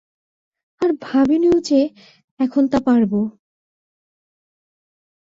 আর ভাবিনিও যে এখন তা পারব।